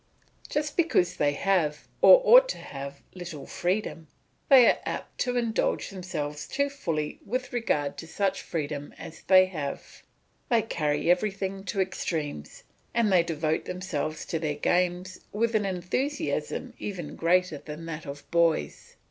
Just because they have, or ought to have, little freedom, they are apt to indulge themselves too fully with regard to such freedom as they have; they carry everything to extremes, and they devote themselves to their games with an enthusiasm even greater than that of boys.